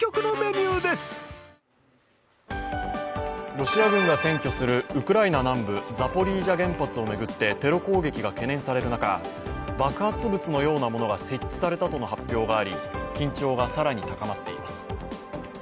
ロシア軍が占拠するウクライナ南部ザポリージャ原発を巡ってテロ攻撃が懸念される中、爆発物のようなものが設置されたとの発表があり、緊張が更に高まっています。